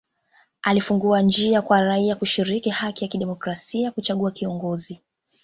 Alifungua njia kwa raia kushiriki haki ya kidemokrasia ya kuchagua kiongozi